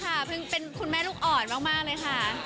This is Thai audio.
ใช่ค่ะเพิ่งเป็นคุณแม่ลูกอ่อนมากเลยค่ะ